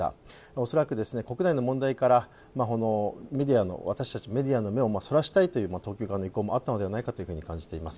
恐らく国内の問題から私たちメディアの目をそらしたいという当局側の意向もあったんじゃないかと思います。